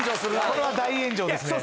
・これは大炎上ですね・